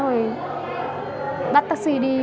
rồi bắt taxi đi